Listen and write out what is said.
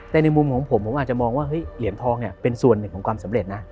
แต่ในมุมของผมผมอาจจะมองว่าเหรียญทองเป็นส่วนหนึ่งของความสำเร็จนะ